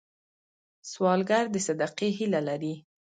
سوالګر د صدقې هیله لري